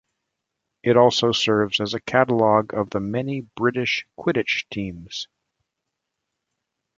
It also serves as a catalogue of the many British Quidditch teams.